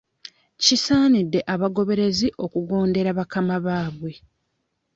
Kisaanidde abagoberezi okugondera bakama baabwe.